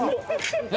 何？